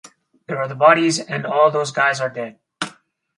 There are the bodies and all those guys are dead.